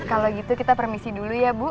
kalau gitu kita permisi dulu ya bu